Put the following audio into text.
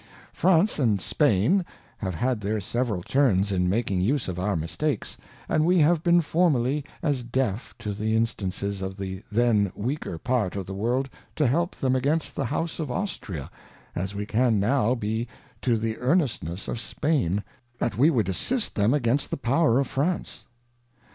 France and Spain have had their several turns in making use of ourMjstakes, and we have been formerly as deaf to the Instances of the then weaker part of the World to help them against the House of Austria, as we can now be to the Earnestness of Spain, that we would assist them against the Power of France.